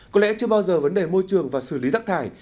có lẽ chưa bao giờ vấn đề môi trường và xử lý rác thải